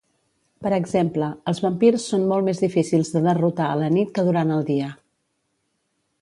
Per exemple, els vampirs són molt més difícils de derrotar a la nit que durant el dia.